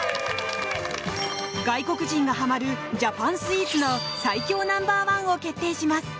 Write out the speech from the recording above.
外国人がハマるジャパンスイーツの最強ナンバー１を決定します。